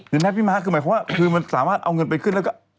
เห็นไหมพี่ม้าคือหมายความว่าคือมันสามารถเอาเงินไปขึ้นแล้วก็